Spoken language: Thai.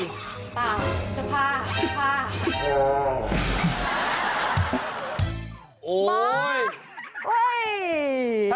เปล่าเสื้อผ้า